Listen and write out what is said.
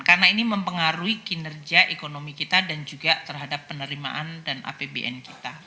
karena ini mempengaruhi kinerja ekonomi kita dan juga terhadap penerimaan dan apbn kita